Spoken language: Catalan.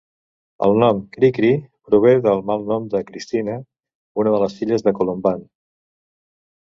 El nom "Cri-Cri" prové del malnom de Cristina, una de les filles de Colomban.